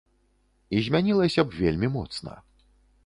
І змянілася б вельмі моцна.